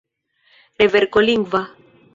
Reverko lingva.